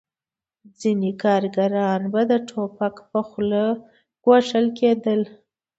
ځینې کارګران به د ټوپک په خوله ګواښل کېدل